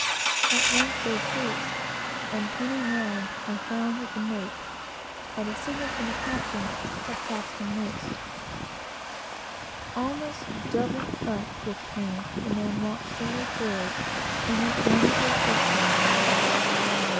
At length they ceased, and turning round, I found that the mate, at a signal from the captain had cut him down. Almost doubled up with pain, the man walked slowly forward, and went down into the forecastle.